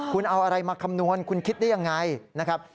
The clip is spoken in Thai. คุณเอาอะไรมาคำนวณคุณคิดได้ยังไงนะครับ